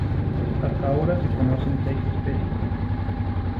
Hasta ahora se conocen seis especies.